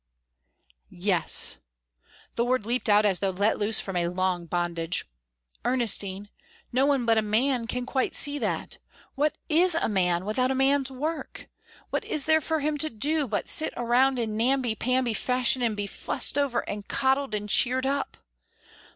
"Yes!" the word leaped out as though let loose from a long bondage. "Ernestine no one but a man can quite see that. What is a man without a man's work? What is there for him to do but sit around in namby pamby fashion and be fussed over and coddled and cheered up!